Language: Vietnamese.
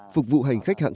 phục vụ hành khách hàng